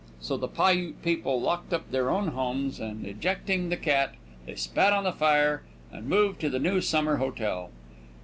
So the Piute people locked up their own homes, and, ejecting the cat, they spat on the fire, and moved to the new summer hotel.